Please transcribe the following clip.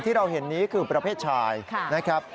ที่เราเห็นนี้คือประเภทชายนะครับ